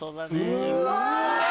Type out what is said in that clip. うわ！